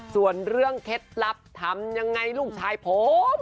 ส่วนเรื่องเคล็ดลับทำยังไงลูกชายผม